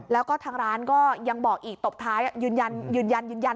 แล้วก็ทางร้านก็ยังบอกอีกตบท้ายยืนยันยืนยันยืนยันยืนยัน